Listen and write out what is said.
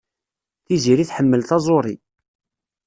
Tiziri tḥemmel taẓuri.